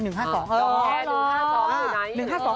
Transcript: ๑๕๒อยู่ไหน